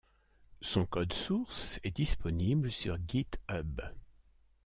Son code source est disponible sur GitHub.